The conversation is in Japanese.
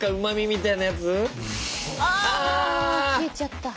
あ消えちゃった。